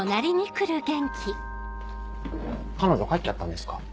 彼女帰っちゃったんですか？